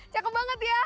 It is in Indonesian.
cakep banget ya